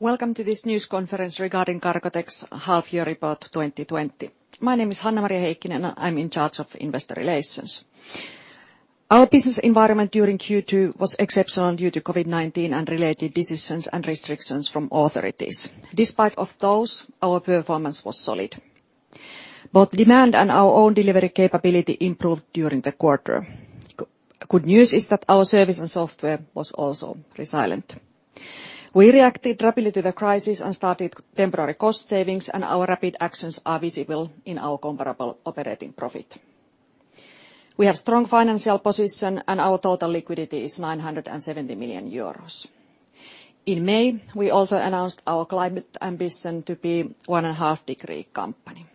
Welcome to this news conference regarding Cargotec's half-year report 2020. My name is Hanna-Maria Heikkinen. I'm in charge of investor relations. Our business environment during Q2 was exceptional due to COVID-19 and related decisions and restrictions from authorities. Despite of those, our performance was solid. Both demand and our own delivery capability improved during the quarter. Good news is that our service and software was also resilient. We reacted rapidly to the crisis and started temporary cost savings, and our rapid actions are visible in our comparable operating profit. We have strong financial position and our total liquidity is 970 million euros. In May, we also announced our climate ambition to be 1.5-degree company.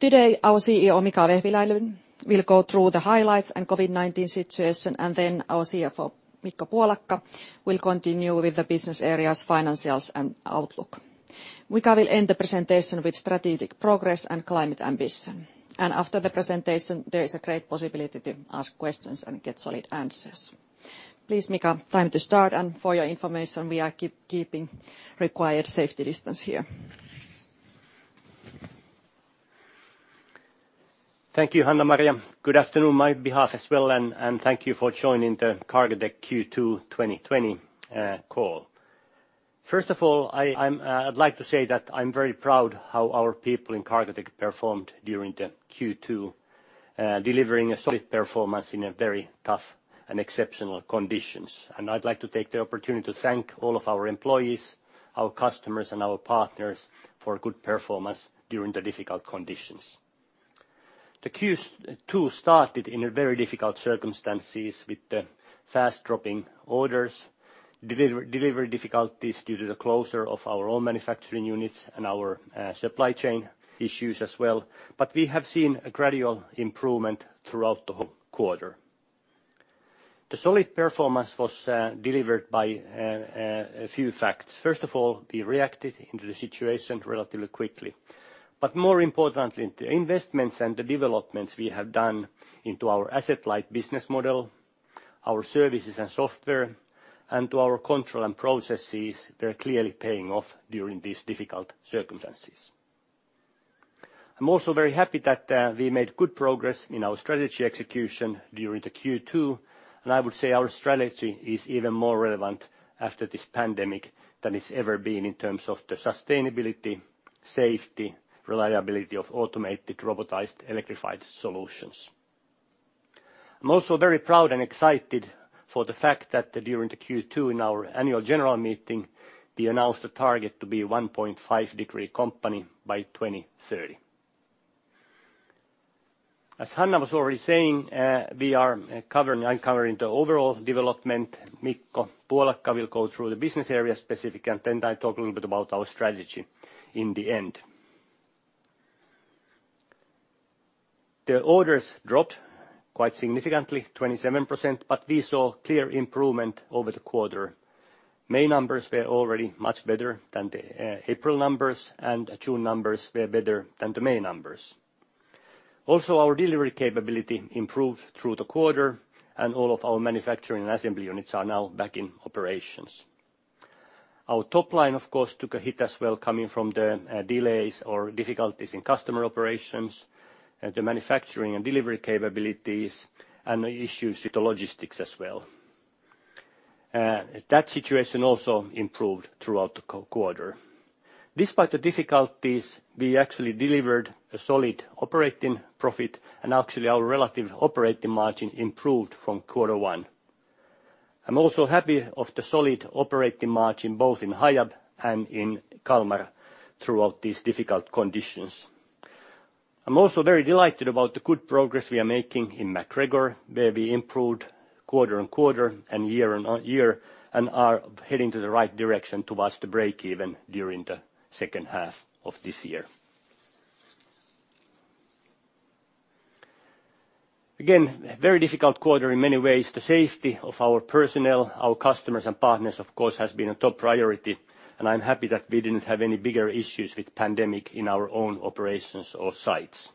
Today, our CEO, Mika Vehviläinen, will go through the highlights and COVID-19 situation, and then our CFO, Mikko Puolakka, will continue with the business areas financials and outlook. Mika will end the presentation with strategic progress and climate ambition. After the presentation, there is a great possibility to ask questions and get solid answers. Please, Mika, time to start, and for your information, we are keeping required safety distance here. Thank you, Hanna-Maria. Good afternoon on my behalf as well, and thank you for joining the Cargotec Q2 2020 call. First of all, I'd like to say that I'm very proud how our people in Cargotec performed during the Q2, delivering a solid performance in a very tough and exceptional conditions. I'd like to take the opportunity to thank all of our employees, our customers, and our partners for good performance during the difficult conditions. The Q2 started in a very difficult circumstances with the fast dropping orders, delivery difficulties due to the closure of our own manufacturing units, and our supply chain issues as well. We have seen a gradual improvement throughout the whole quarter. The solid performance was delivered by a few facts. First of all, we reacted into the situation relatively quickly. More importantly, the investments and the developments we have done into our asset-light business model, our services and software, and to our control and processes were clearly paying off during these difficult circumstances. I'm also very happy that we made good progress in our strategy execution during the Q2, and I would say our strategy is even more relevant after this pandemic than it's ever been in terms of the sustainability, safety, reliability of automated, robotized, electrified solutions. I'm also very proud and excited for the fact that during the Q2, in our annual general meeting, we announced a target to be 1.5 degree company by 2030. As Hanna was already saying, I'm covering the overall development. Mikko Puolakka will go through the business area specific, and then I talk a little bit about our strategy in the end. The orders dropped quite significantly, 27%. We saw clear improvement over the quarter. May numbers were already much better than the April numbers. June numbers were better than the May numbers. Also, our delivery capability improved through the quarter. All of our manufacturing and assembly units are now back in operations. Our top line, of course, took a hit as well, coming from the delays or difficulties in customer operations, the manufacturing and delivery capabilities, and the issues with the logistics as well. That situation also improved throughout the quarter. Despite the difficulties, we actually delivered a solid operating profit. Actually our relative operating margin improved from quarter one. I'm also happy of the solid operating margin, both in Hiab and in Kalmar throughout these difficult conditions. I'm also very delighted about the good progress we are making in MacGregor, where we improved quarter-on-quarter and year-on-year, and are heading to the right direction towards the break even during the second half of this year. Again, very difficult quarter in many ways. The safety of our personnel, our customers and partners, of course, has been a top priority, and I'm happy that we didn't have any bigger issues with pandemic in our own operations or sites.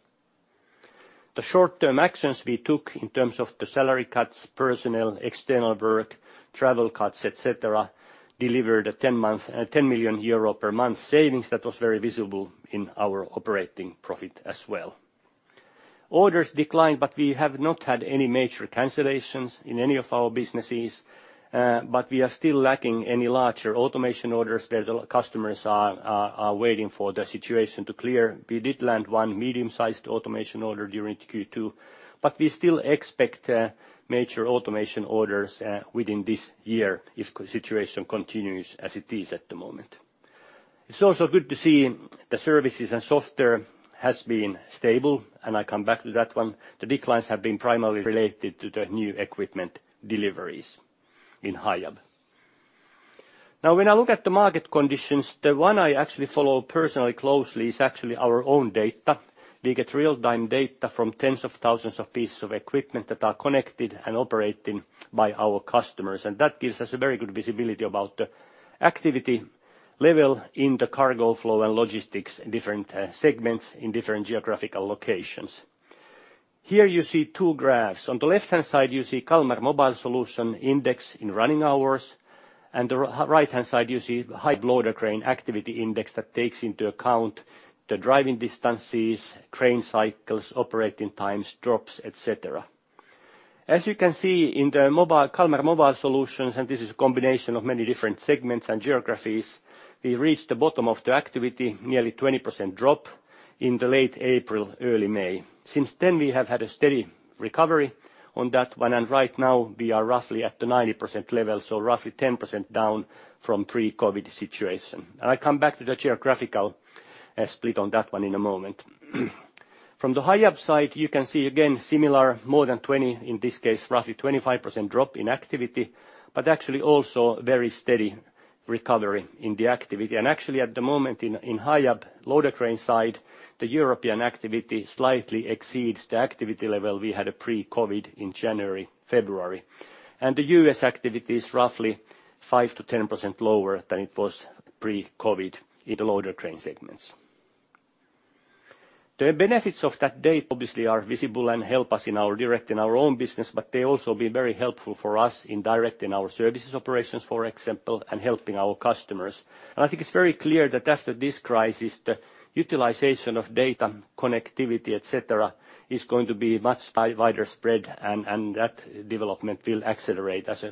The short-term actions we took in terms of the salary cuts, personnel, external work, travel cuts, et cetera, delivered a 10-month, 10 million euro per month savings that was very visible in our operating profit as well. Orders declined, but we have not had any major cancellations in any of our businesses. We are still lacking any larger automation orders. The customers are waiting for the situation to clear. We did land one medium-sized automation order during Q2, but we still expect major automation orders within this year if the situation continues as it is at the moment. It's also good to see the services and software has been stable, and I come back to that one. The declines have been primarily related to the new equipment deliveries in Hiab. Now, when I look at the market conditions, the one I actually follow personally closely is actually our own data. We get real-time data from tens of thousands of pieces of equipment that are connected and operating by our customers, that gives us a very good visibility about the activity level in the cargo flow and logistics in different segments in different geographical locations. Here you see two graphs. On the left-hand side, you see Kalmar Mobile Solutions index in running hours, and the right-hand side, you see Hiab Loader Cranes activity index that takes into account the driving distances, crane cycles, operating times, drops, et cetera. As you can see in the Kalmar Mobile Solutions, and this is a combination of many different segments and geographies, we reached the bottom of the activity, nearly 20% drop in the late April, early May. Since then, we have had a steady recovery on that one, and right now we are roughly at the 90% level, so roughly 10% down from pre-COVID-19 situation. I come back to the geographical split on that one in a moment. From the Hiab side, you can see again, similar, more than 20%, in this case, roughly 25% drop in activity, but actually also very steady recovery in the activity. Actually at the moment in Hiab Loader Cranes side, the European activity slightly exceeds the activity level we had at pre-COVID in January, February. The U.S. activity is roughly 5%-10% lower than it was pre-COVID in the Loader Crane segments. The benefits of that data obviously are visible and help us in directing our own business, but they also been very helpful for us in directing our services operations, for example, and helping our customers. I think it's very clear that after this crisis, the utilization of data, connectivity, et cetera, is going to be much wider spread, and that development will accelerate as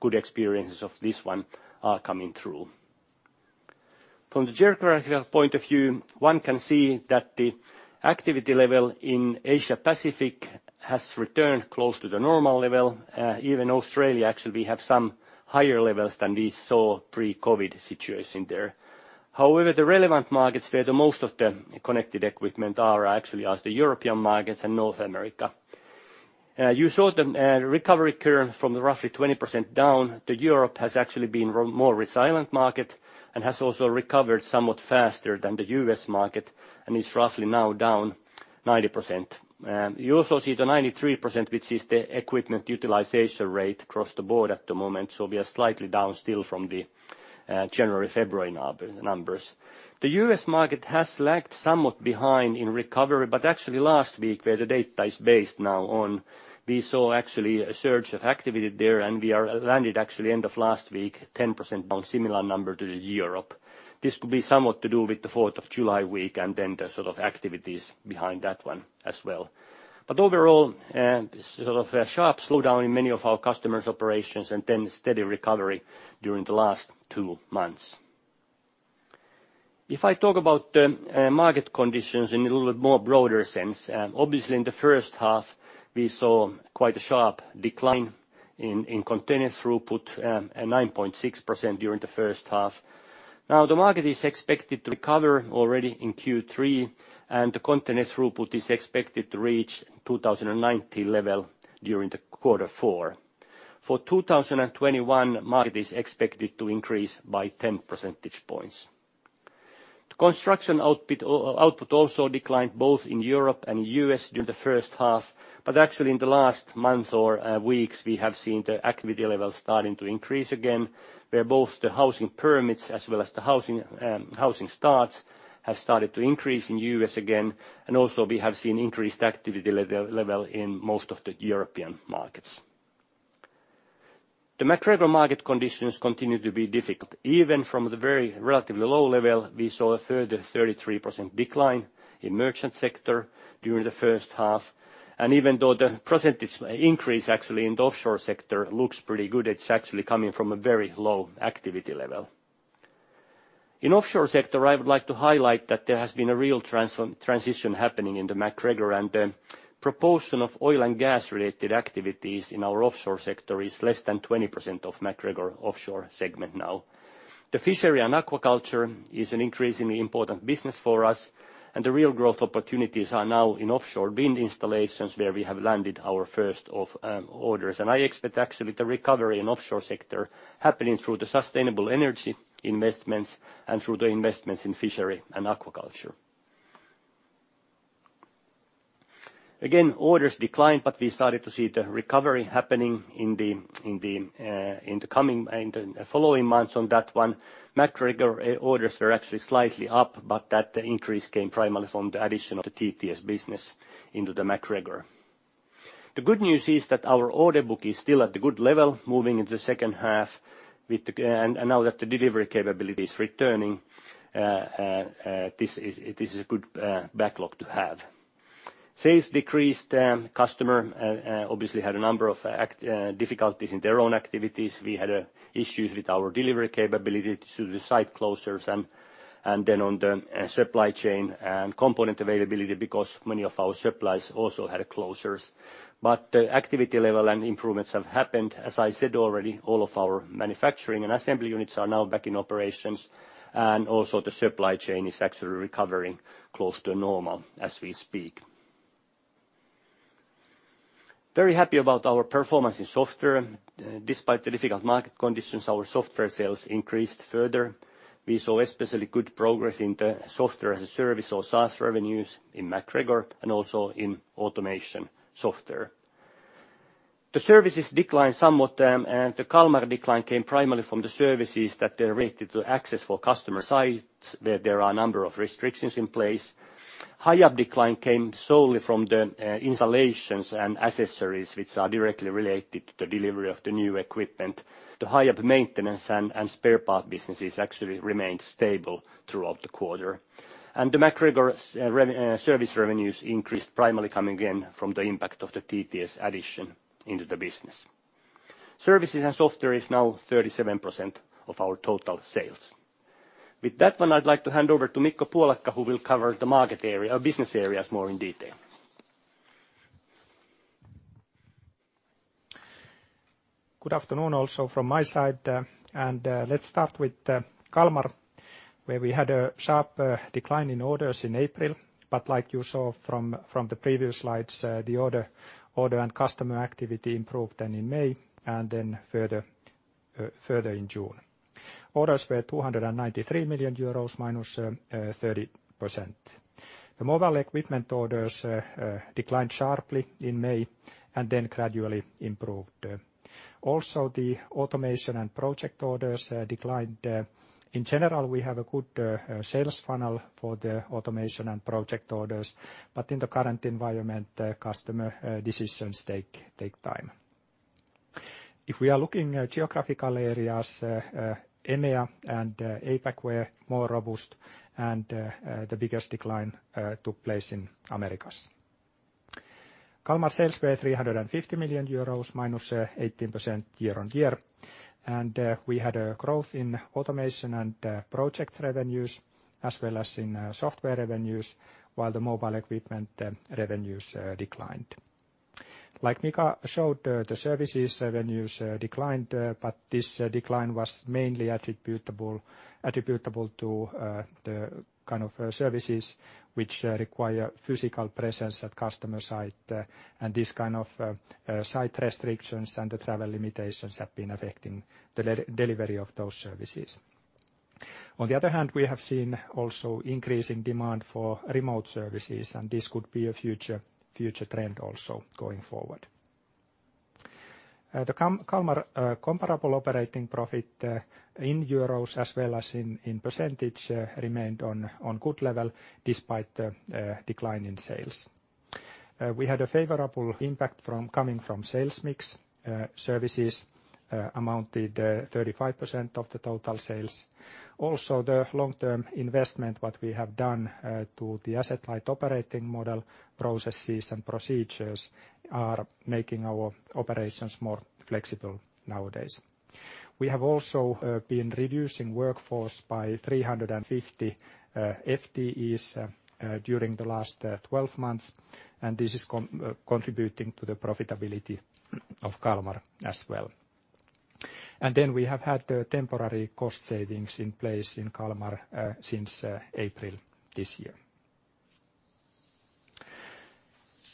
good experiences of this one are coming through. From the geographical point of view, one can see that the activity level in Asia-Pacific has returned close to the normal level. Even Australia actually we have some higher levels than we saw pre-COVID situation there. However, the relevant markets where the most of the connected equipment are actually as the European markets and North America. You saw the recovery curve from roughly 20% down. The Europe has actually been more resilient market and has also recovered somewhat faster than the U.S. market and is roughly now down 90%. You also see the 93%, which is the equipment utilization rate across the board at the moment. We are slightly down still from the January, February numbers. The U.S. market has lagged somewhat behind in recovery, but actually last week, where the data is based now on, we saw actually a surge of activity there, and we landed actually end of last week, 10% on similar number to the Europe. This could be somewhat to do with the Fourth of July week and then the sort of activities behind that one as well. Overall, sort of a sharp slowdown in many of our customers' operations and then steady recovery during the last two months. If I talk about the market conditions in a little bit more broader sense, obviously in the first half, we saw quite a sharp decline in container throughput, a 9.6% during the first half. Now the market is expected to recover already in Q3, and the container throughput is expected to reach 2019 level during the quarter four. For 2021, market is expected to increase by 10 percentage points. The construction output also declined both in Europe and U.S. during the first half. Actually in the last month or weeks, we have seen the activity level starting to increase again, where both the housing permits as well as the housing starts have started to increase in U.S. again. Also we have seen increased activity level in most of the European markets. The MacGregor market conditions continue to be difficult. Even from the very relatively low level, we saw a further 33% decline in merchant sector during the first half. Even though the percentage increase actually in the offshore sector looks pretty good, it's actually coming from a very low activity level. In offshore sector, I would like to highlight that there has been a real transition happening in the MacGregor, and the proportion of oil and gas-related activities in our offshore sector is less than 20% of MacGregor offshore segment now. The fishery and aquaculture is an increasingly important business for us. The real growth opportunities are now in offshore wind installations, where we have landed our first of orders. I expect actually the recovery in offshore sector happening through the sustainable energy investments and through the investments in fishery and aquaculture. Again, orders declined, we started to see the recovery happening in the coming and the following months on that one. MacGregor orders were actually slightly up, that increase came primarily from the addition of the TTS business into the MacGregor. The good news is that our order book is still at a good level moving into the second half. Now that the delivery capability is returning, this is a good backlog to have. Sales decreased. Customer obviously had a number of difficulties in their own activities. We had issues with our delivery capability due to the site closures, and then on the supply chain and component availability because many of our suppliers also had closures. The activity level and improvements have happened. As I said already, all of our manufacturing and assembly units are now back in operations. Also the supply chain is actually recovering close to normal as we speak. Very happy about our performance in software. Despite the difficult market conditions, our software sales increased further. We saw especially good progress in the Software as a Service or SaaS revenues in MacGregor and also in automation software. The services declined somewhat, and the Kalmar decline came primarily from the services that they're related to access for customer sites. There are a number of restrictions in place. Hiab decline came solely from the installations and accessories, which are directly related to delivery of the new equipment. The Hiab maintenance and spare part businesses actually remained stable throughout the quarter. The MacGregor service revenues increased primarily coming in from the impact of the TTS addition into the business. Services and software is now 37% of our total sales. With that one, I'd like to hand over to Mikko Puolakka, who will cover the business areas more in detail. Good afternoon also from my side. Let's start with Kalmar, where we had a sharp decline in orders in April. Like you saw from the previous slides, the order and customer activity improved in May and then further in June. Orders were 293 million euros, minus 30%. The mobile equipment orders declined sharply in May and then gradually improved. Also, the automation and project orders declined. In general, we have a good sales funnel for the automation and project orders, but in the current environment, customer decisions take time. If we are looking at geographical areas, EMEA and APAC were more robust and the biggest decline took place in Americas. Kalmar sales were 350 million euros, minus 18% year-on-year. We had a growth in automation and project revenues as well as in software revenues while the mobile equipment revenues declined. Like Mika showed, the services revenues declined, but this decline was mainly attributable to the kind of services which require physical presence at customer site and this kind of site restrictions and the travel limitations have been affecting the delivery of those services. On the other hand, we have seen also increasing demand for remote services, and this could be a future trend also going forward. The Kalmar comparable operating profit in euros as well as in percentage, remained on good level despite the decline in sales. We had a favorable impact coming from sales mix. Services amounted 35% of the total sales. Also, the long-term investment, what we have done to the asset-light operating model processes and procedures are making our operations more flexible nowadays. We have also been reducing workforce by 350 FTEs during the last 12 months. This is contributing to the profitability of Kalmar as well. We have had temporary cost savings in place in Kalmar since April this year.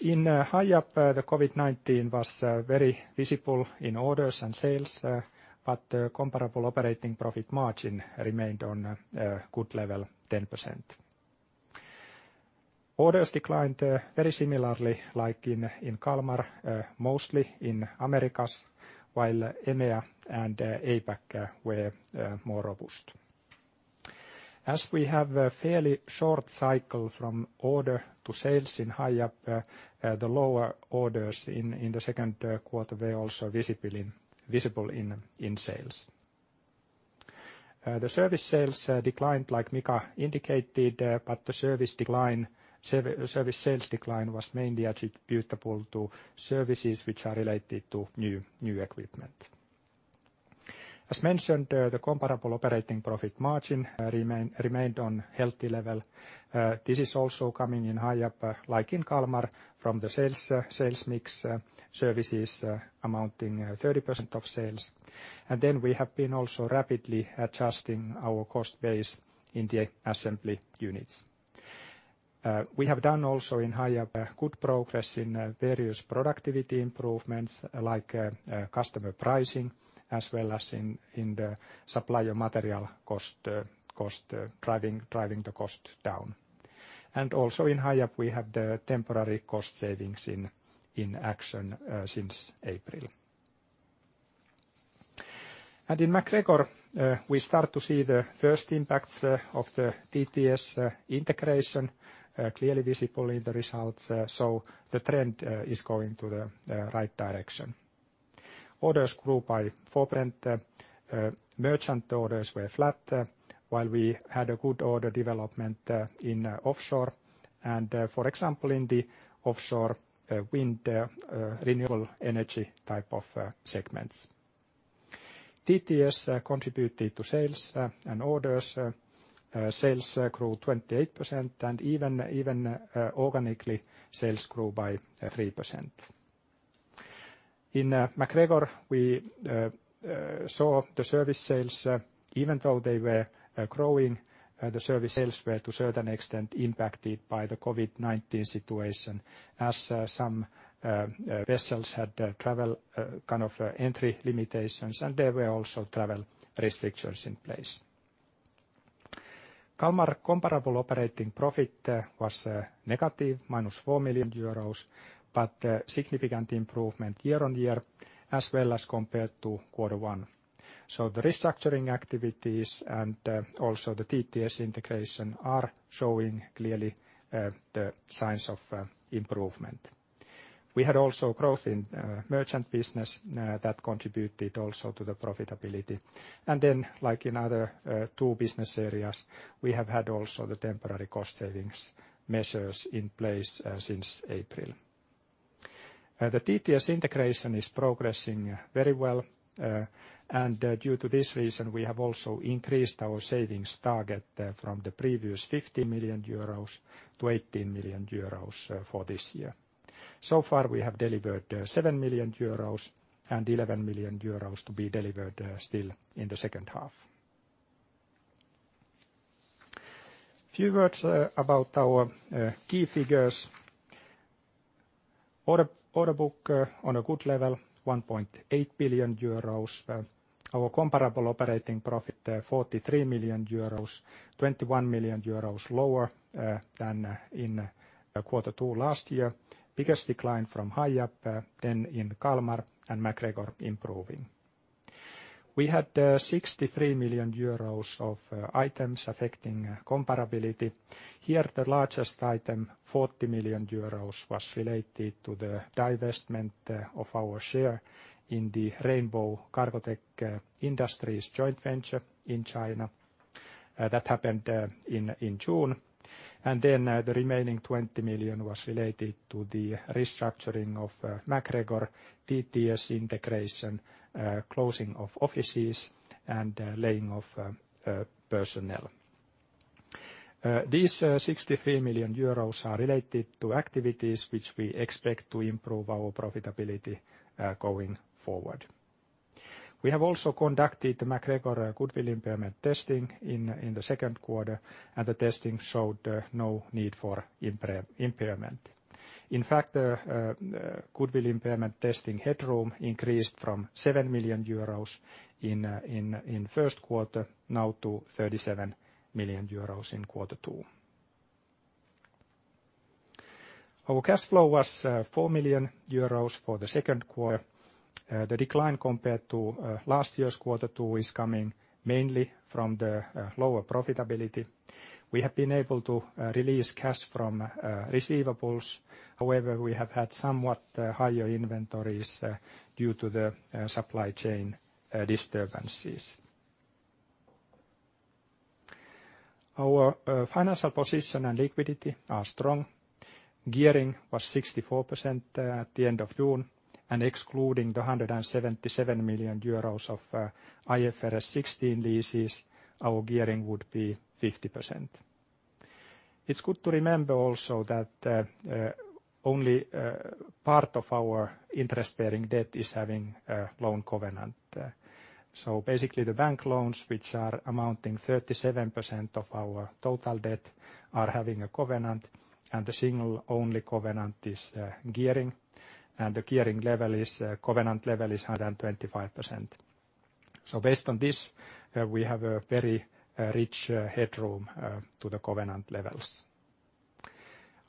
In Hiab, the COVID-19 was very visible in orders and sales, comparable operating profit margin remained on a good level, 10%. Orders declined very similarly like in Kalmar, mostly in Americas, while EMEA and APAC were more robust. As we have a fairly short cycle from order to sales in Hiab, the lower orders in the second quarter were also visible in sales. The service sales declined, like Mika indicated, the service sales decline was mainly attributable to services which are related to new equipment. As mentioned, the comparable operating profit margin remained on healthy level. This is also coming in Hiab, like in Kalmar, from the sales mix services amounting 30% of sales. We have been also rapidly adjusting our cost base in the assembly units. We have done also in Hiab good progress in various productivity improvements like customer pricing as well as in the supplier material cost, driving the cost down. Also in Hiab, we have the temporary cost savings in action since April. In MacGregor, we start to see the first impacts of the TTS integration clearly visible in the results. The trend is going to the right direction. Orders grew by 4%. Merchant orders were flat while we had a good order development in offshore and, for example, in the offshore wind renewable energy type of segments. TTS contributed to sales and orders. Sales grew 28% and even organically, sales grew by 3%. In MacGregor, we saw the service sales, even though they were growing, the service sales were to a certain extent impacted by the COVID-19 situation as some vessels had travel kind of entry limitations, and there were also travel restrictions in place. Kalmar comparable operating profit was negative minus 4 million euros, but a significant improvement year on year as well as compared to quarter 1. The restructuring activities and also the TTS integration are showing clearly the signs of improvement. We had also growth in merchant business that contributed also to the profitability. Like in other two business areas, we have had also the temporary cost savings measures in place since April. The TTS integration is progressing very well, and due to this reason, we have also increased our savings target from the previous 15 million euros to 18 million euros for this year. Far, we have delivered 7 million euros and 11 million euros to be delivered still in the second half. A few words about our key figures. Order book on a good level, 1.8 billion euros. Our comparable operating profit, 43 million euros, 21 million euros lower than in quarter two last year. Biggest decline from Hiab, then in Kalmar, and MacGregor improving. We had 63 million euros of items affecting comparability. Here, the largest item, 40 million euros, was related to the divestment of our share in the Rainbow-Cargotec Industries joint venture in China. That happened in June. The remaining 20 million was related to the restructuring of MacGregor, TTS integration, closing of offices, and laying off personnel. These 63 million euros are related to activities which we expect to improve our profitability going forward. We have also conducted the MacGregor goodwill impairment testing in the second quarter. The testing showed no need for impairment. In fact, the goodwill impairment testing headroom increased from 7 million euros in first quarter now to 37 million euros in quarter two. Our cash flow was 4 million euros for the second quarter. The decline compared to last year's quarter two is coming mainly from the lower profitability. We have been able to release cash from receivables. However, we have had somewhat higher inventories due to the supply chain disturbances. Our financial position and liquidity are strong. Gearing was 64% at the end of June. Excluding the 177 million euros of IFRS 16 leases, our gearing would be 50%. It's good to remember also that only part of our interest-bearing debt is having a loan covenant. Basically, the bank loans, which are amounting 37% of our total debt, are having a covenant, and the single only covenant is gearing, and the covenant level is 125%.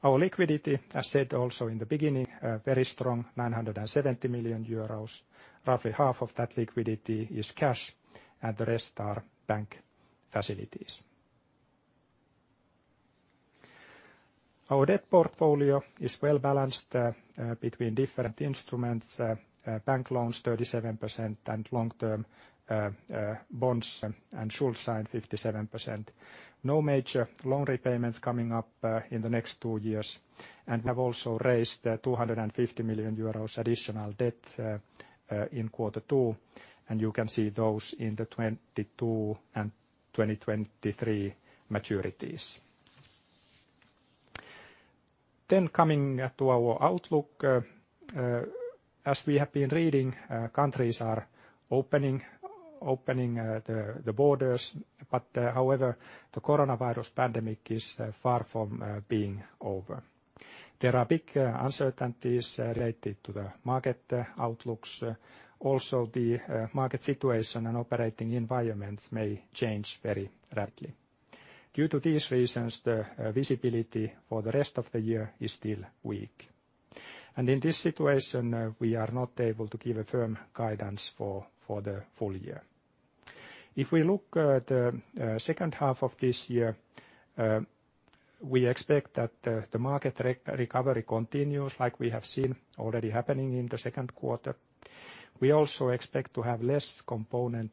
Our liquidity, as said also in the beginning, very strong, 970 million euros. Roughly half of that liquidity is cash, and the rest are bank facilities. Our debt portfolio is well-balanced between different instruments, bank loans, 37%, and long-term bonds and Schuldschein 57%. No major loan repayments coming up in the next two years, and we have also raised 250 million euros additional debt in quarter 2, and you can see those in the 2022 and 2023 maturities. Coming to our outlook. As we have been reading, countries are opening, the borders. However, the coronavirus pandemic is far from being over. There are big uncertainties related to the market outlooks. Also, the market situation and operating environments may change very rapidly. Due to these reasons, the visibility for the rest of the year is still weak. In this situation, we are not able to give a firm guidance for the full year. If we look at the second half of this year, we expect that the market recovery continues like we have seen already happening in the second quarter. We also expect to have less component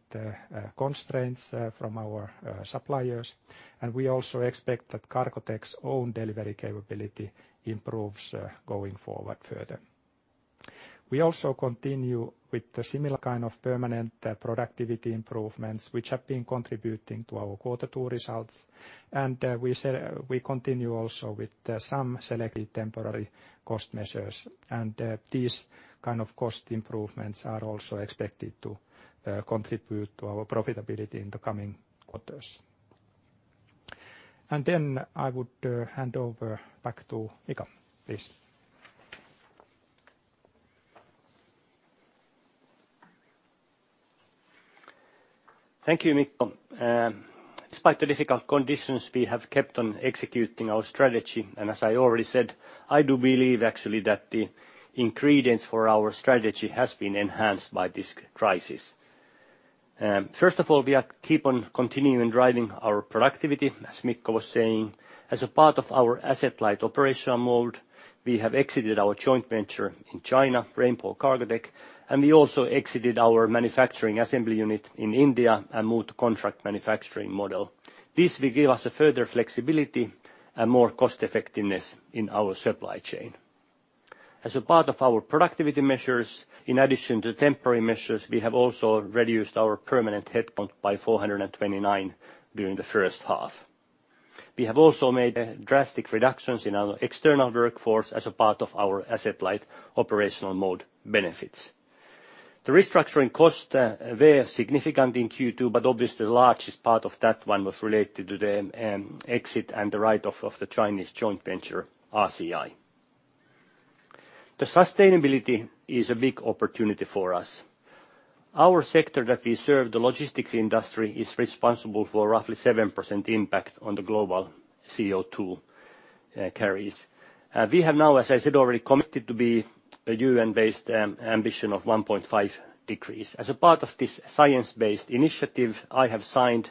constraints from our suppliers, and we also expect that Cargotec's own delivery capability improves going forward further. We also continue with the similar kind of permanent productivity improvements, which have been contributing to our quarter two results. We continue also with some selected temporary cost measures. These kind of cost improvements are also expected to contribute to our profitability in the coming quarters. I would hand over back to Mika, please. Thank you, Mikko. Despite the difficult conditions, we have kept on executing our strategy. As I already said, I do believe actually that the ingredients for our strategy has been enhanced by this crisis. First of all, we keep on continuing driving our productivity, as Mikko was saying. As a part of our asset-light operational mode, we have exited our joint venture in China, Rainbow Cargotec, and we also exited our manufacturing assembly unit in India and moved to contract manufacturing model. This will give us a further flexibility and more cost-effectiveness in our supply chain. As a part of our productivity measures, in addition to temporary measures, we have also reduced our permanent headcount by 429 during the first half. We have also made drastic reductions in our external workforce as a part of our asset-light operational mode benefits. The restructuring costs were significant in Q2, obviously the largest part of that one was related to the exit and the write-off of the Chinese joint venture, RCI. The sustainability is a big opportunity for us. Our sector that we serve, the logistics industry, is responsible for roughly 7% impact on the global CO2 carries. We have now, as I said already, committed to the UN-based ambition of 1.5 degrees. As a part of this Science Based Targets initiative, I have signed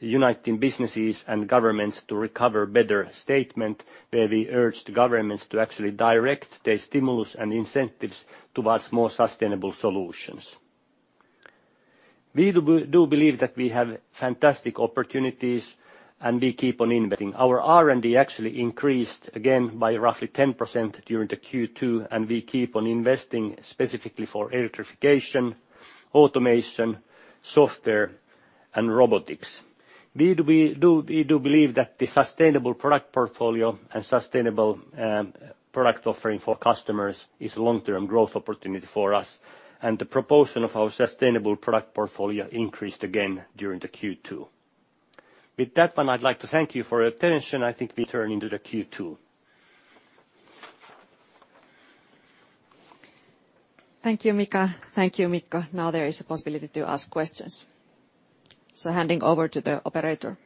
Uniting Businesses and Governments to Recover Better statement, where we urge the governments to actually direct their stimulus and incentives towards more sustainable solutions. We do believe that we have fantastic opportunities, we keep on investing. Our R&D actually increased again by roughly 10% during the Q2, we keep on investing specifically for electrification, automation, software, and robotics. We do believe that the sustainable product portfolio and sustainable product offering for customers is a long-term growth opportunity for us, and the proportion of our sustainable product portfolio increased again during the Q2. With that one, I'd like to thank you for your attention. I think we turn into the Q2. Thank you, Mika. Thank you, Mikko. Now there is a possibility to ask questions. Handing over to the operator.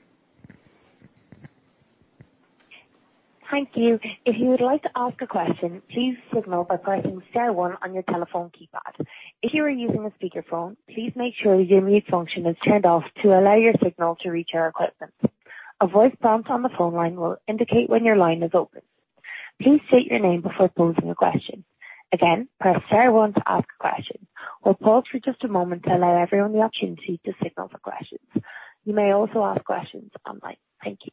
Thank you. If you would like to ask a question, please signal by pressing star one on your telephone keypad. If you are using a speakerphone, please make sure your mute function is turned off to allow your signal to reach our equipment. A voice prompt on the phone line will indicate when your line is open. Please state your name before posing a question. Again, press star one to ask a question. We will pause for just a moment to allow everyone the opportunity to signal for questions. You may also ask questions online. Thank you.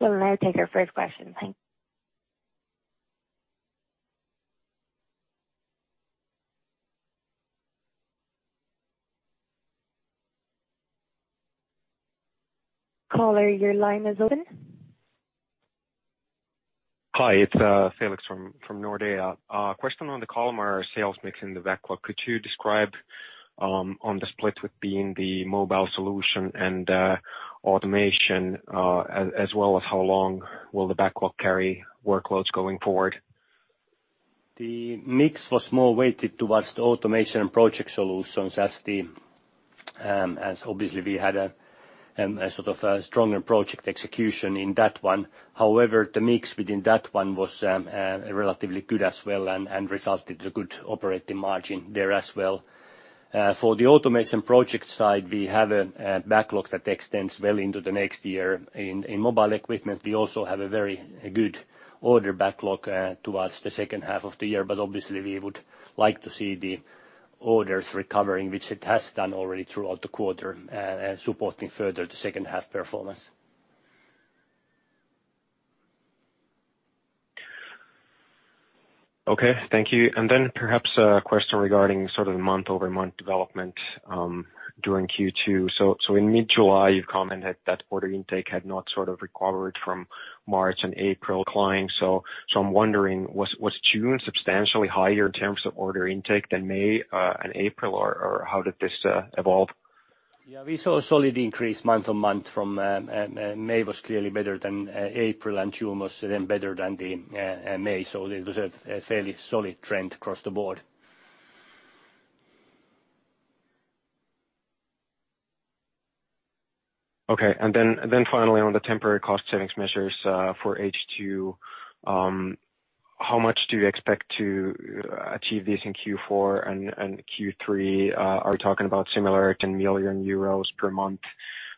We will now take our first question. Thanks. Caller, your line is open. Hi, it's Felix from Nordea. A question on the Kalmar sales mix in the backlog. Could you describe on the split with being the Mobile Solutions and automation, as well as how long will the backlog carry workloads going forward? The mix was more weighted towards the automation and project solutions as obviously we had a sort of a stronger project execution in that one. However, the mix within that one was relatively good as well and resulted a good operating margin there as well. For the automation project side, we have a backlog that extends well into the next year. In mobile equipment, we also have a very good order backlog towards the second half of the year. Obviously, we would like to see the orders recovering, which it has done already throughout the quarter, supporting further the second half performance. Okay. Thank you. Perhaps a question regarding sort of the month-over-month development during Q2. In mid-July, you've commented that order intake had not sort of recovered from March and April decline. I'm wondering, was June substantially higher in terms of order intake than May and April, or how did this evolve? Yeah, we saw a solid increase month-on-month from May was clearly better than April, and June was then better than May. It was a fairly solid trend across the board. Okay. Finally, on the temporary cost savings measures for H2, how much do you expect to achieve this in Q4 and Q3? Are we talking about similar 10 million euros per month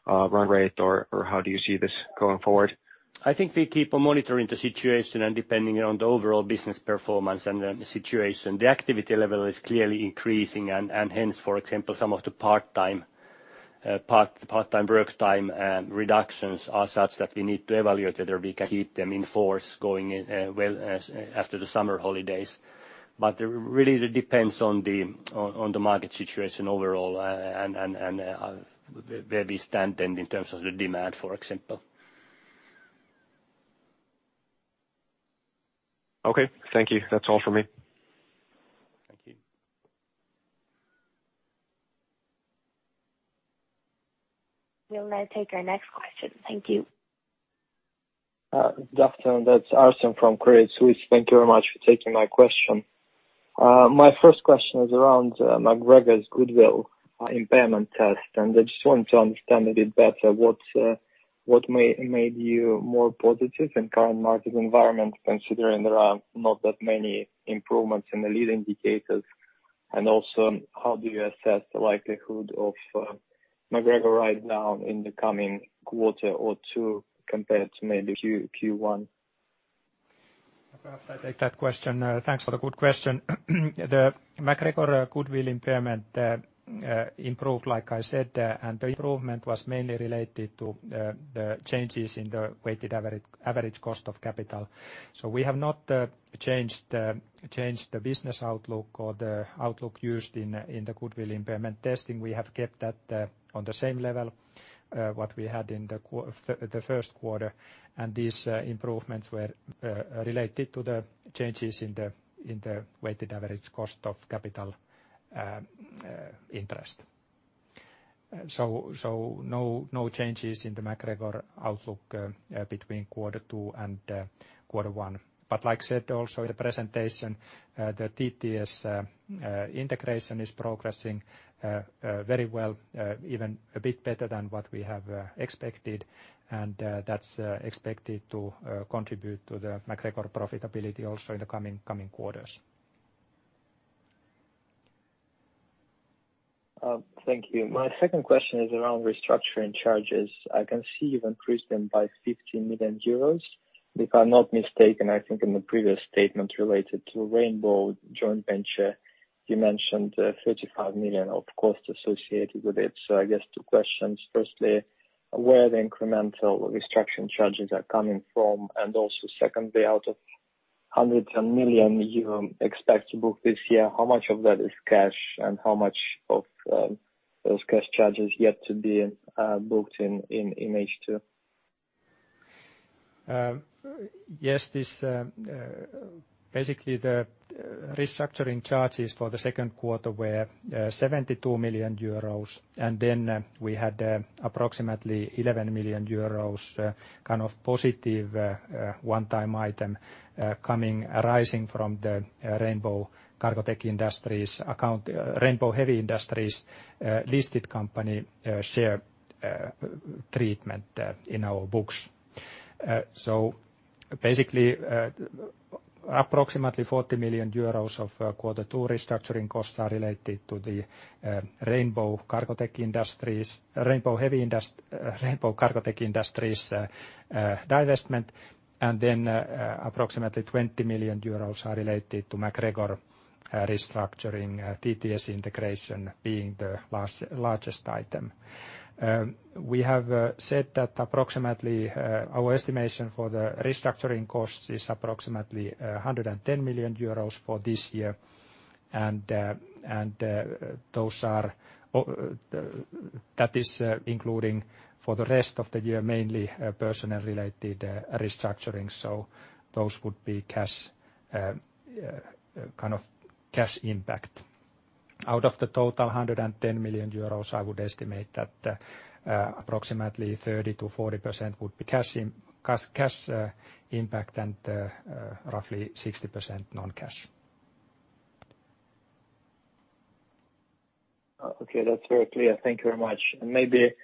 run rate, or how do you see this going forward? I think we keep on monitoring the situation and depending on the overall business performance and the situation. The activity level is clearly increasing. Hence, for example, some of the part-time work time reductions are such that we need to evaluate whether we can keep them in force going well after the summer holidays. Really, it depends on the market situation overall and where we stand then in terms of the demand, for example. Okay, thank you. That's all for me. Thank you. We'll now take our next question. Thank you. Good afternoon. That's Artem from Credit Suisse. Thank you very much for taking my question. My first question is around MacGregor's goodwill impairment test. I just want to understand a bit better what made you more positive in current market environment, considering there are not that many improvements in the lead indicators? Also, how do you assess the likelihood of MacGregor right now in the coming quarter or two compared to maybe Q1? Perhaps I'll take that question. Thanks for the good question. The MacGregor goodwill impairment improved, like I said, and the improvement was mainly related to the changes in the weighted average cost of capital. We have not changed the business outlook or the outlook used in the goodwill impairment testing. We have kept that on the same level, what we had in the first quarter, and these improvements were related to the changes in the weighted average cost of capital interest. No changes in the MacGregor outlook between quarter 2 and quarter 1. Like I said, also in the presentation, the TTS integration is progressing very well, even a bit better than what we have expected, and that's expected to contribute to the MacGregor profitability also in the coming quarters. Thank you. My second question is around restructuring charges. I can see you've increased them by 50 million euros. If I'm not mistaken, I think in the previous statement related to Rainbow joint venture, you mentioned 35 million of costs associated with it. I guess two questions. Firstly, where the incremental restructuring charges are coming from, and also secondly, out of hundreds of million EUR expect to book this year, how much of that is cash and how much of those cash charges yet to be booked in H2? Basically, the restructuring charges for the second quarter were 72 million euros, then we had approximately 11 million euros positive one-time item arising from the Rainbow Heavy Industries listed company share treatment in our books. Basically, approximately 40 million euros of quarter two restructuring costs are related to the Rainbow-Cargotec Industries divestment, then approximately 20 million euros are related to MacGregor restructuring, TTS integration being the largest item. We have said that our estimation for the restructuring cost is approximately 110 million euros for this year, that is including for the rest of the year, mainly personal related restructuring. Those would be cash impact. Out of the total 110 million euros, I would estimate that approximately 30%-40% would be cash impact and roughly 60% non-cash. Okay, that's very clear. Thank you very much. Maybe,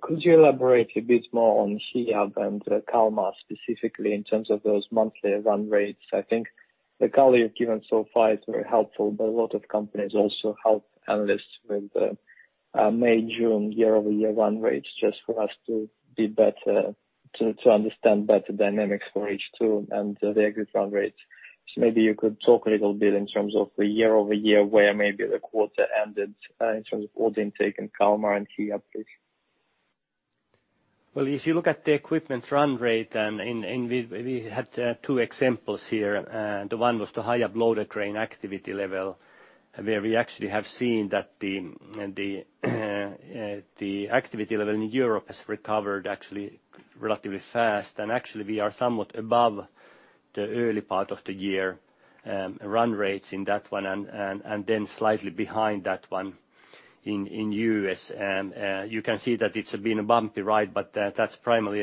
could you elaborate a bit more on Hiab and Kalmar specifically in terms of those monthly run rates? I think the call you've given so far is very helpful, but a lot of companies also help analysts with May, June year-over-year run rates just for us to understand better dynamics for H2 and the exit run rates. Maybe you could talk a little bit in terms of the year-over-year where maybe the quarter ended in terms of order intake in Kalmar and Hiab, please? If you look at the equipment run rate, we had two examples here. The one was the Hiab Loader Cranes activity level, where we actually have seen that the activity level in Europe has recovered actually relatively fast. Actually, we are somewhat above the early part of the year run rates in that one, and then slightly behind that one in U.S. You can see that it's been a bumpy ride, that's primarily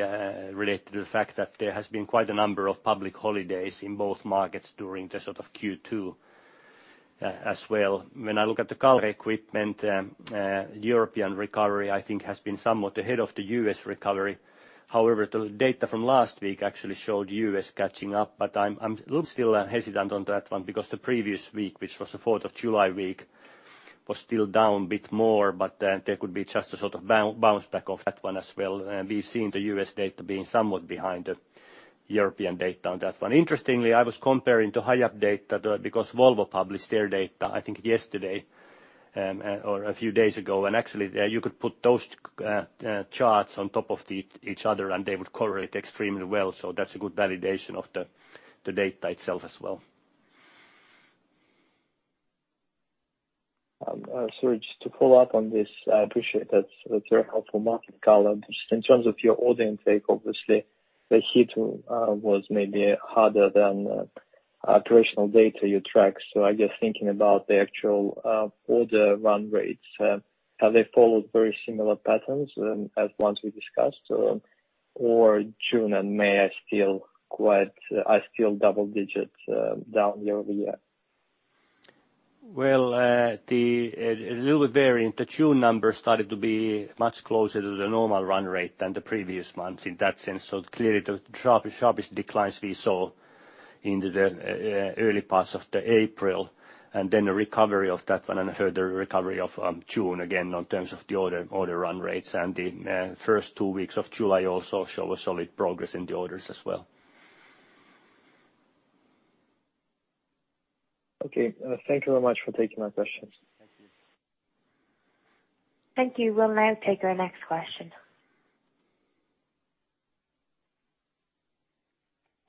related to the fact that there has been quite a number of public holidays in both markets during the sort of Q2 as well. When I look at the Kalmar equipment, European recovery, I think has been somewhat ahead of the U.S. recovery. The data from last week actually showed U.S. catching up, but I'm still hesitant on that one because the previous week, which was the 4th of July week, was still down a bit more, but there could be just a sort of bounce back of that one as well. We've seen the U.S. data being somewhat behind the European data on that one. I was comparing to Hiab data because Volvo published their data, I think yesterday or a few days ago. Actually, you could put those charts on top of each other, and they would correlate extremely well. That's a good validation of the data itself as well. Sorry, just to follow up on this, I appreciate that's a very helpful market color. Just in terms of your order intake, obviously the heat was maybe harder than operational data you track. I guess thinking about the actual order run rates, have they followed very similar patterns as ones we discussed? June and May are still double digits down year-over-year? It will vary. The June numbers started to be much closer to the normal run rate than the previous months in that sense. Clearly the sharpest declines we saw in the early parts of April, and then a recovery of that one and a further recovery of June, again, in terms of the order run rates. The first two weeks of July also show a solid progress in the orders as well. Okay. Thank you very much for taking my questions. Thank you. Thank you. We'll now take our next question.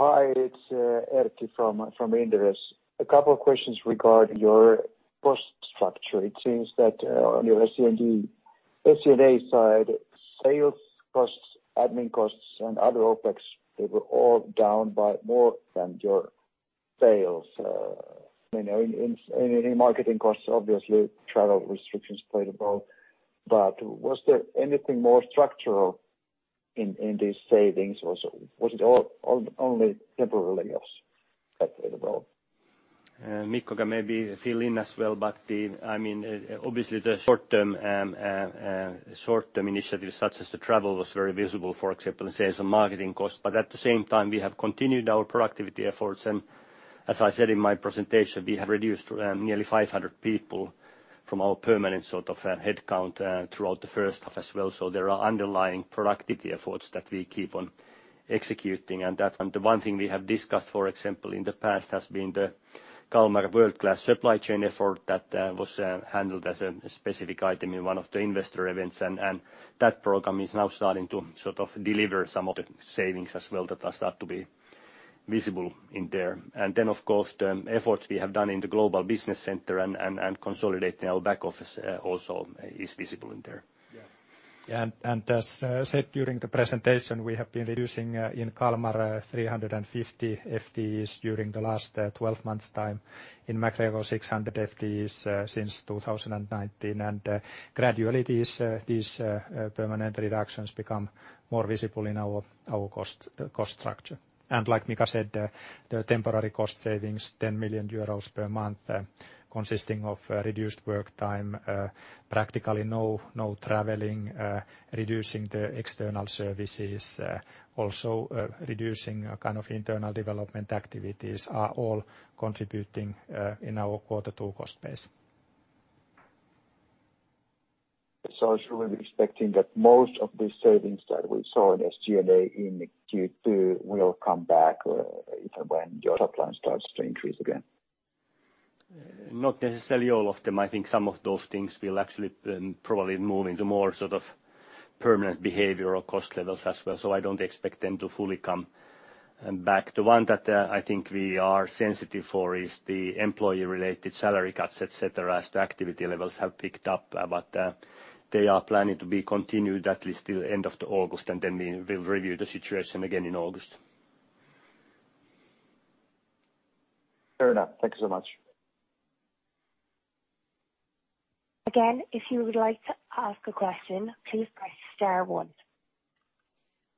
Hi, it's Erkki from Inderes. A couple of questions regarding your cost structure. It seems that on your SG&A side, sales costs, admin costs, and other OpEx, they were all down by more than your sales. In any marketing costs, obviously, travel restrictions played a role, but was there anything more structural in these savings, or was it all only temporarily lost at the moment? Mika can maybe fill in as well, obviously the short-term initiatives such as the travel was very visible, for example, in sales and marketing costs. At the same time, we have continued our productivity efforts. As I said in my presentation, we have reduced nearly 500 people from our permanent sort of headcount throughout the first half as well. There are underlying productivity efforts that we keep on executing. The one thing we have discussed, for example, in the past has been the Kalmar World-Class Supply Chain effort that was handled as a specific item in one of the investor events. That program is now starting to sort of deliver some of the savings as well that are start to be visible in there. Of course, the efforts we have done in the global business center and consolidating our back office, also is visible in there. As said during the presentation, we have been reducing in Kalmar 350 FTEs during the last 12 months time. In MacGregor, 600 FTEs since 2019. Gradually, these permanent reductions become more visible in our cost structure. Like Mika said, the temporary cost savings, 10 million euros per month, consisting of reduced work time, practically no traveling, reducing the external services, also reducing internal development activities, are all contributing in our Q2 cost base. I was really expecting that most of these savings that we saw in SG&A in Q2 will come back if and when your top line starts to increase again. Not necessarily all of them. I think some of those things will actually probably move into more sort of permanent behavior or cost levels as well. I don't expect them to fully come back. The one that I think we are sensitive for is the employee-related salary cuts, et cetera, as the activity levels have picked up. They are planning to be continued at least till end of the August, and then we'll review the situation again in August. Fair enough. Thank you so much. Again, if you would like to ask a question, please press star one.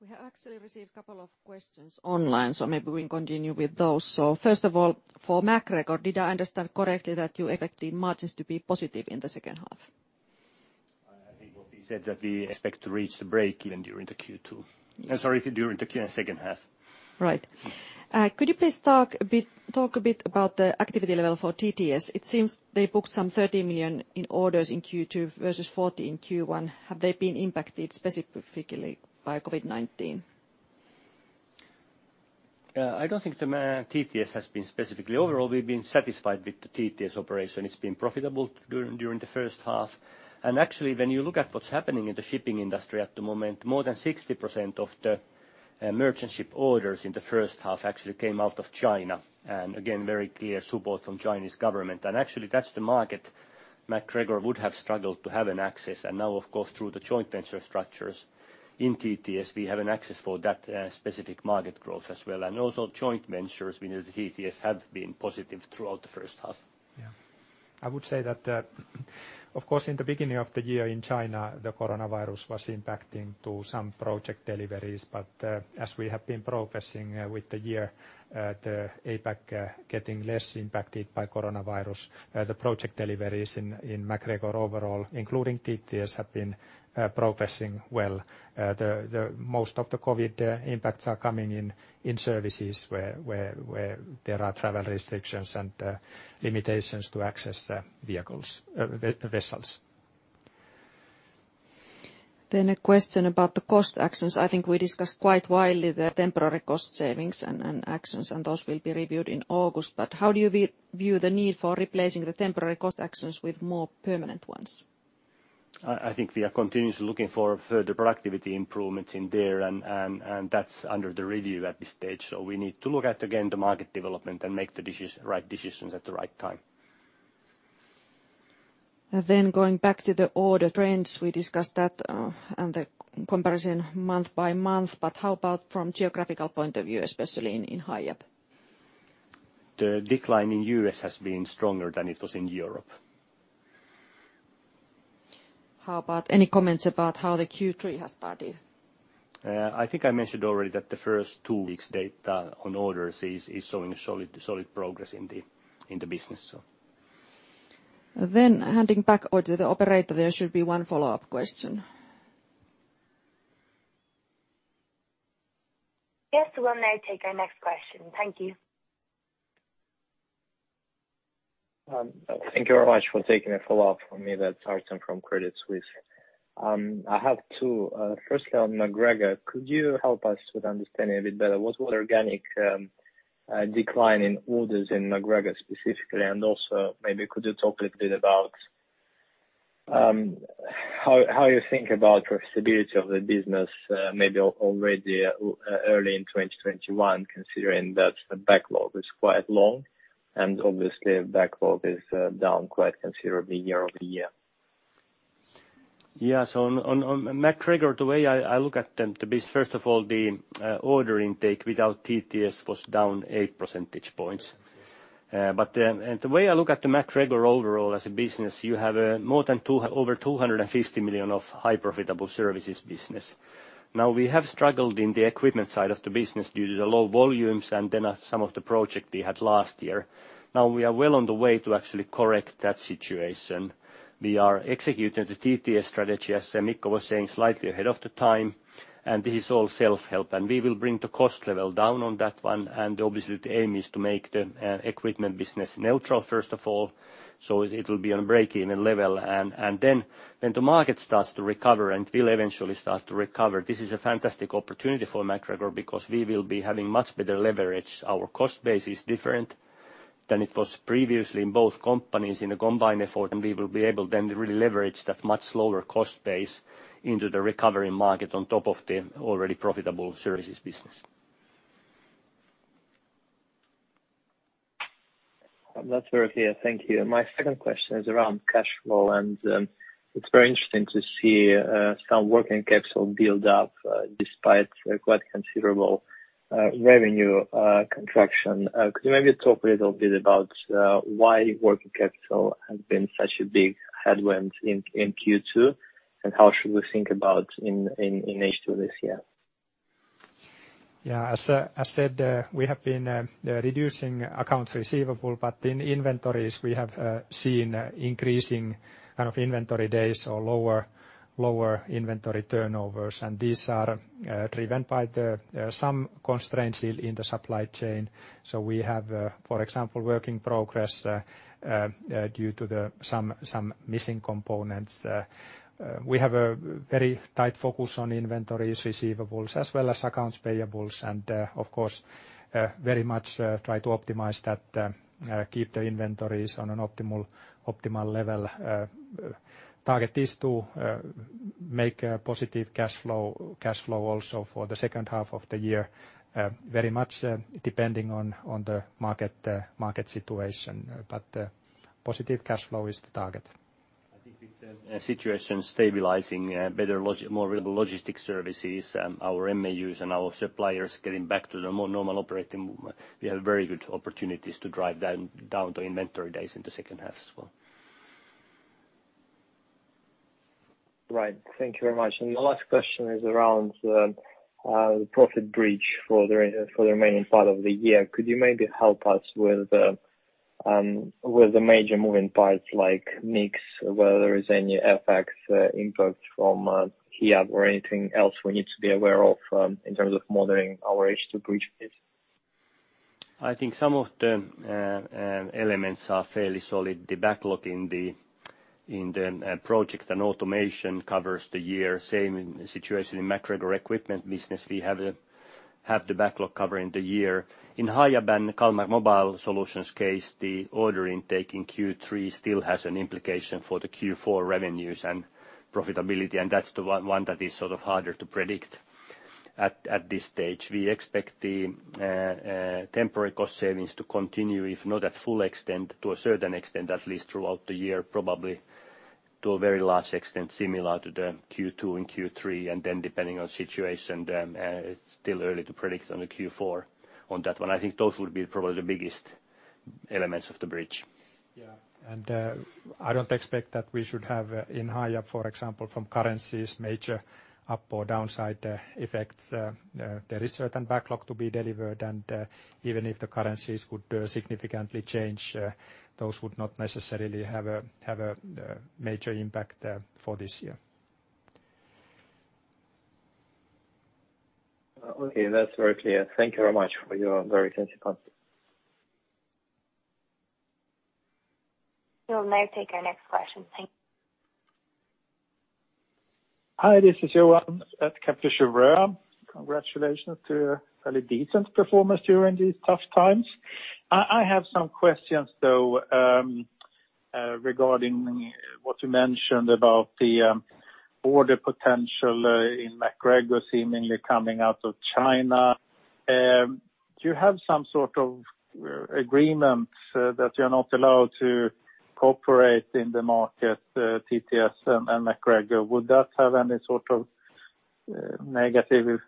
We have actually received a couple of questions online. Maybe we can continue with those. First of all, for MacGregor, did I understand correctly that you're expecting margins to be positive in the second half? I think what we said that we expect to reach the breakeven during the Q2. I'm sorry, during the second half. Right. Could you please talk a bit about the activity level for TTS? It seems they booked some 30 million in orders in Q2 versus 40 million in Q1. Have they been impacted specifically by COVID-19? I don't think the TTS has been specifically. Overall, we've been satisfied with the TTS operation. It's been profitable during the first half. Actually, when you look at what's happening in the shipping industry at the moment, more than 60% of the merchant ship orders in the first half actually came out of China. Again, very clear support from Chinese government. Actually, that's the market MacGregor would have struggled to have an access. Now, of course, through the joint venture structures in TTS, we have an access for that specific market growth as well. Also joint ventures within the TTS have been positive throughout the first half. Yeah. I would say that, of course, in the beginning of the year in China, the coronavirus was impacting to some project deliveries. But as we have been progressing with the year, the APAC getting less impacted by coronavirus. The project deliveries in MacGregor overall, including TTS, have been progressing well. Most of the COVID impacts are coming in services where there are travel restrictions and limitations to access vessels. A question about the cost actions. I think we discussed quite widely the temporary cost savings and actions, and those will be reviewed in August. How do you view the need for replacing the temporary cost actions with more permanent ones? I think we are continuously looking for further productivity improvements in there, and that's under the review at this stage. We need to look at, again, the market development and make the right decisions at the right time. Going back to the order trends, we discussed that and the comparison month by month, but how about from geographical point of view, especially in Hiab? The decline in U.S. has been stronger than it was in Europe. How about any comments about how the Q3 has started? I think I mentioned already that the first two weeks' data on orders is showing a solid progress in the business. Handing back over to the operator, there should be one follow-up question. Yes, we'll now take our next question. Thank you. Thank you very much for taking a follow-up from me. That's Artem from Credit Suisse. I have two. On MacGregor, could you help us with understanding a bit better what organic decline in orders in MacGregor specifically, and also maybe could you talk a little bit about how you think about profitability of the business maybe already early in 2021, considering that the backlog is quite long and obviously backlog is down quite considerably year-over-year? Yeah. On MacGregor, the way I look at them, first of all, the order intake without TTS was down 8 percentage points. The way I look at the MacGregor overall as a business, you have over 250 million of high profitable services business. Now, we have struggled in the equipment side of the business due to the low volumes and then some of the project we had last year. Now, we are well on the way to actually correct that situation. We are executing the TTS strategy, as Mikko was saying, slightly ahead of the time, and this is all self-help. We will bring the cost level down on that one. Obviously, the aim is to make the equipment business neutral, first of all. It will be on break-even level. Then the market starts to recover and will eventually start to recover. This is a fantastic opportunity for MacGregor because we will be having much better leverage. Our cost base is different than it was previously in both companies in a combined effort. We will be able then to really leverage that much lower cost base into the recovery market on top of the already profitable services business. That's very clear. Thank you. My second question is around cash flow. It's very interesting to see some working capital build up despite quite considerable revenue contraction. Could you maybe talk a little bit about why working capital has been such a big headwind in Q2? How should we think about in H2 this year? As I said, we have been reducing accounts receivable, but in inventories, we have seen increasing kind of inventory days or lower inventory turnovers, and these are driven by some constraints still in the supply chain. We have, for example, work in progress due to some missing components. We have a very tight focus on inventories, receivables, as well as accounts payables, and of course, very much try to optimize that, keep the inventories on an optimal level. Target is to make a positive cash flow also for the second half of the year, very much depending on the market situation. Positive cash flow is the target. I think with the situation stabilizing, more reliable logistics services, our MAUs and our suppliers getting back to the more normal operating movement, we have very good opportunities to drive down the inventory days in the second half as well. Right. Thank you very much. My last question is around the profit bridge for the remaining part of the year. Could you maybe help us with the major moving parts like mix, whether there is any FX impact from Hiab or anything else we need to be aware of in terms of modeling our H2 bridges? I think some of the elements are fairly solid. The backlog in the project and automation covers the year. Same situation in MacGregor equipment business, we have the backlog covering the year. In Hiab and Kalmar Mobile Solutions case, the order intake in Q3 still has an implication for the Q4 revenues and profitability, and that's the one that is sort of harder to predict at this stage. We expect the temporary cost savings to continue, if not at full extent, to a certain extent, at least throughout the year, probably to a very large extent, similar to the Q2 and Q3. Depending on situation, then it's still early to predict on the Q4 on that one. I think those will be probably the biggest elements of the bridge. Yeah. I don't expect that we should have in Hiab, for example, from currencies, major up or downside effects. There is certain backlog to be delivered, and even if the currencies could significantly change, those would not necessarily have a major impact for this year. Okay. That's very clear. Thank you very much for your very extensive answers. We'll now take our next question. Thank you. Hi, this is Johan at Congratulations to a decent performance during these tough times. I have some questions though regarding what you mentioned about the order potential in MacGregor seemingly coming out of China. Do you have some sort of agreement that you're not allowed to operate in the market, TTS and MacGregor? Would that have any sort of negative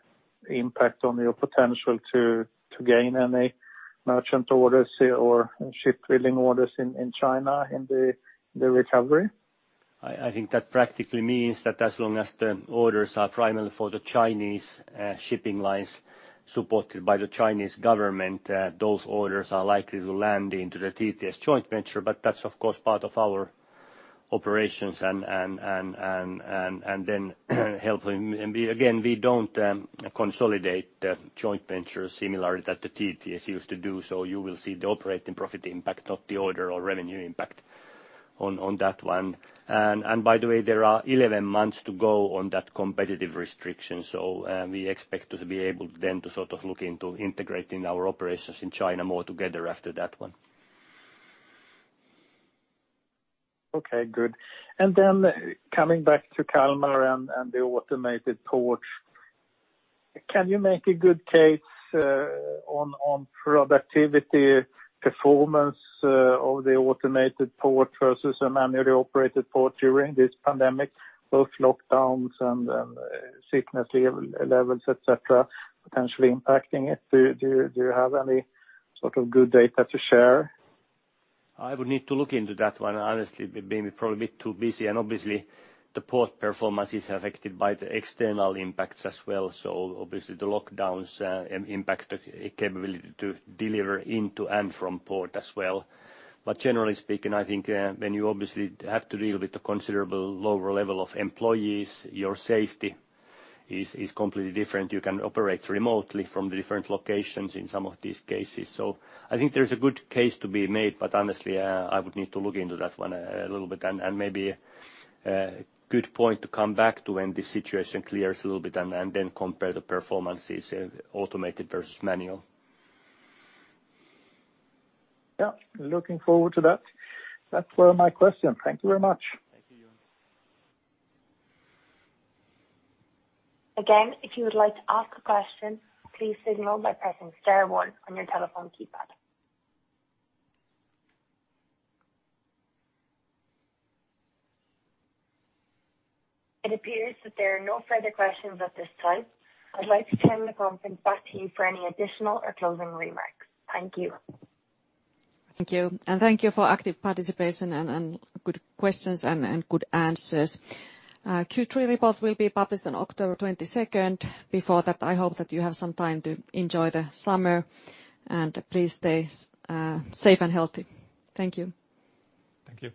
impact on your potential to gain any merchant orders or ship building orders in China in the recovery? I think that practically means that as long as the orders are primarily for the Chinese shipping lines supported by the Chinese government, those orders are likely to land into the TTS joint venture. That's of course part of our operations and then helpful. Again, we don't consolidate the joint venture similarly that the TTS used to do. You will see the operating profit impact, not the order or revenue impact on that one. By the way, there are 11 months to go on that competitive restriction. We expect to be able then to look into integrating our operations in China more together after that one. Okay, good. Coming back to Kalmar and the automated ports. Can you make a good case on productivity performance of the automated port versus a manually operated port during this pandemic, both lockdowns and sickness levels, et cetera, potentially impacting it? Do you have any sort of good data to share? I would need to look into that one, honestly, being probably a bit too busy. Obviously the port performance is affected by the external impacts as well. Obviously the lockdowns impact the capability to deliver into and from port as well. Generally speaking, I think when you obviously have to deal with a considerable lower level of employees, your safety is completely different. You can operate remotely from different locations in some of these cases. I think there's a good case to be made, but honestly, I would need to look into that one a little bit and maybe a good point to come back to when the situation clears a little bit and then compare the performances, automated versus manual. Yeah. Looking forward to that. That's all my questions. Thank you very much. Thank you, Johan. Again, if you would like to ask a question, please signal by pressing star one on your telephone keypad. It appears that there are no further questions at this time. I'd like to turn the conference back to you for any additional or closing remarks. Thank you. Thank you. Thank you for active participation and good questions and good answers. Q3 report will be published on October 22nd. Before that, I hope that you have some time to enjoy the summer, and please stay safe and healthy. Thank you. Thank you.